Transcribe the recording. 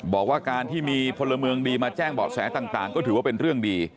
บอกว่าการที่มีพลเมืองดีมาแจ้งเบาะแสต่างก็ถือว่าเป็นเรื่องดี